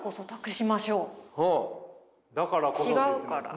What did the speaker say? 違うから？